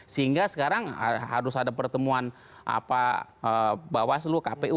sehingga sekarang harus ada pertemuan bawas lu kpu